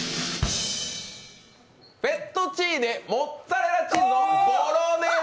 フェットチーネ・モッツァレラチーズのボロネーゼ。